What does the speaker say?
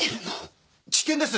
危険です！